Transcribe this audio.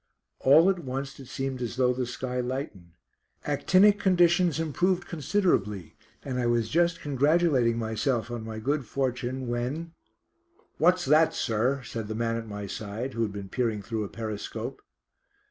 All at once it seemed as though the sky lightened. Actinic conditions improved considerably, and I was just congratulating myself on my good fortune when "What's that, sir?" said the man at my side, who had been peering through a periscope.